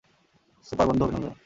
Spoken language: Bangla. সুপার, বন্ধু, অভিনন্দন!